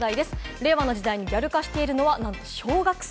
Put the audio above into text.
令和の時代にギャル化しているのはなんと小学生！